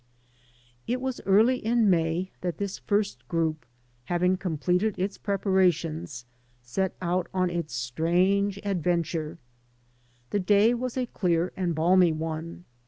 43 AN AMERICAN IN THE MAKING It was early in May that this first group, having completed its preparations, set out on its strange adventure. The day was a dear and balmy one.